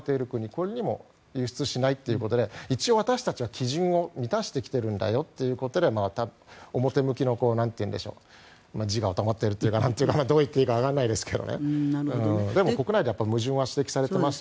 これにも輸出しないということで一応、私たちは基準を満たしてきているんだよということで表向きの自我を保っているというかなんといっていいかわからないですがでも、国内で矛盾は指摘されています。